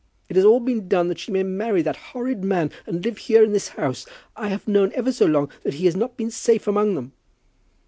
It has all been done that she may marry that horrid man and live here in this house. I have known ever so long that he has not been safe among them."